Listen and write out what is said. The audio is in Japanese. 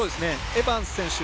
エバンス選手